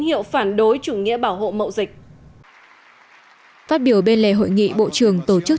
hiệu phản đối chủ nghĩa bảo hộ mậu dịch phát biểu bên lề hội nghị bộ trưởng tổ chức